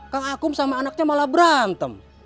kang akum sama anaknya malah berantem